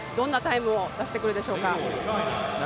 どんなタイムを出してくるでしょうか。